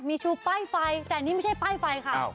มีชูป้ายไฟแต่นี่ไม่ใช่ป้ายไฟค่ะ